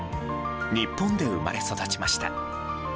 日本で生まれ育ちました。